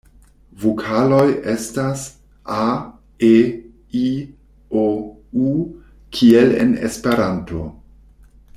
Vokaloj estas: a,e,i,o,u kiel en Esperanto.